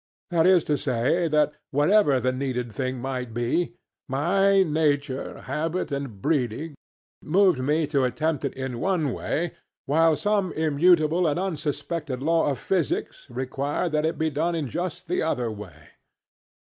That is to say, that whatever the needed thing might be, my nature, habit, and breeding moved me to attempt it in one way, while some immutable and unsuspected law of physics required that it be done in just the other way.